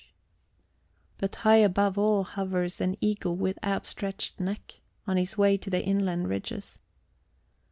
But high above all hovers an eagle with outstretched neck, on his way to the inland ridges.